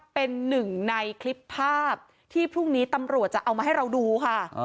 เป็นหนึ่งในคลิปภาพที่พรุ่งนี้ตำรวจจะเอามาให้เราดูค่ะ